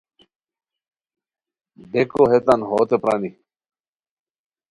بیکو ہیتان ہوتے پرانی